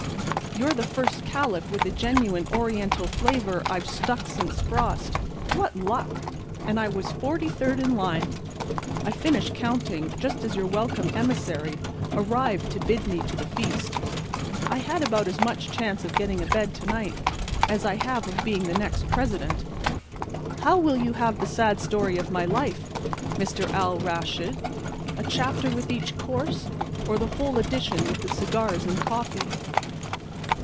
You're the first Caliph with a genuine Oriental flavor I've struck since frost. What luck! And I was forty third in line. I finished counting, just as your welcome emissary arrived to bid me to the feast. I had about as much chance of getting a bed to night as I have of being the next President. How will you have the sad story of my life, Mr. Al Raschid—a chapter with each course or the whole edition with the cigars and coffee?"